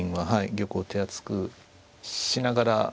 玉を手厚くしながら。